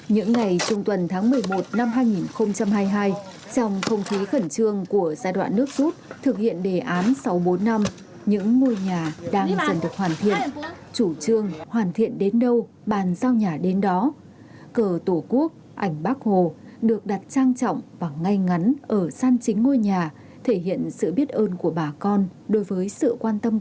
những ngày trung tuần tháng một mươi một năm hai nghìn hai mươi hai trong không khí khẩn trương của giai đoạn nước rút thực hiện đề án sau bốn năm những ngôi nhà đang dần được hoàn thiện chủ trương hoàn thiện đến đâu bàn giao nhà đến đó cờ tổ quốc ảnh bác hồ được đặt trang trọng và ngay ngắn ở san chính ngôi nhà thể hiện sự biết ơn của bà con đối với gia đình